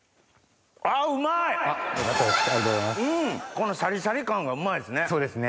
このシャリシャリ感がうまいですね。